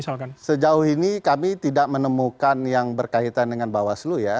sejauh ini kami tidak menemukan yang berkaitan dengan bawaslu ya